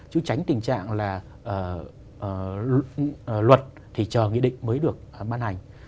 chứ tránh tình trạng là luật thì chờ nghị định mới được ban hành